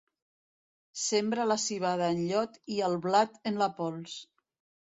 Sembra la civada en llot i el blat en la pols.